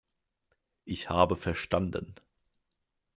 Ich habe verstanden.